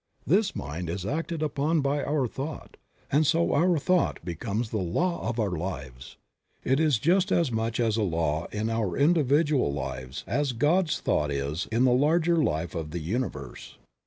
This mind is acted upon by our thought, and so our thought becomes the law of our lives. It is just as much a law in our individual lives as God's thought is in the larger life of the Universe.